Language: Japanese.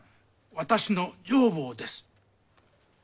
私の女房です。